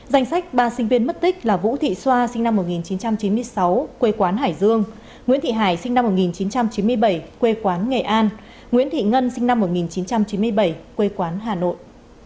danh sách ba sinh viên mất tích là vũ thị xoa sinh năm một nghìn chín trăm chín mươi sáu quê quán hải dương nguyễn thị hải sinh năm một nghìn chín trăm chín mươi bảy quê quán nghệ an nguyễn thị ngân sinh năm một nghìn chín trăm chín mươi bảy quê quán hà nội